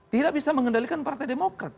tidak bisa mengendalikan partai demokrat